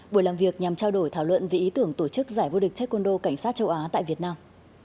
buổi làm việc nhằm trao đổi thảo luận về ý tưởng tổ chức giải vô địch taekwondo cảnh sát châu á tại việt nam